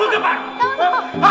gua singkat juga lo ya